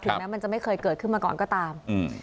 แม้มันจะไม่เคยเกิดขึ้นมาก่อนก็ตาม